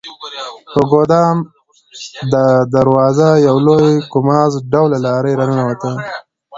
په ګدام د دروازه یو لوی کاماز ډوله لارۍ راننوته.